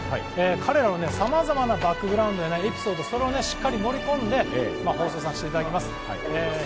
彼らのさまざまなバックグラウンドやエピソードをしっかり盛り込んで放送させていただきます。